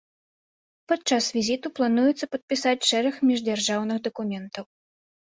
Падчас візіту плануецца падпісаць шэраг міждзяржаўных дакументаў.